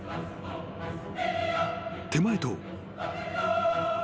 ［手前と］